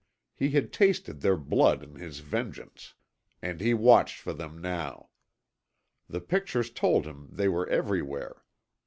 He had tasted their blood in his vengeance. And he watched for them now. The pictures told him they were everywhere.